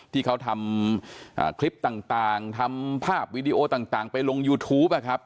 ที่เขาทำคลิปต่างทำภาพวีดีโอต่างไปลงยูทูป